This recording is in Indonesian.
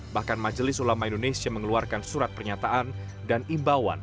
bahkan majelis ulama indonesia mengeluarkan surat pernyataan dan imbauan